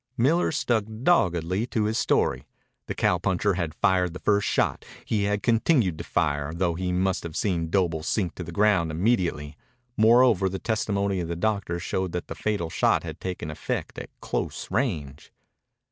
Miller stuck doggedly to his story. The cowpuncher had fired the first shot. He had continued to fire, though he must have seen Doble sink to the ground immediately. Moreover, the testimony of the doctor showed that the fatal shot had taken effect at close range.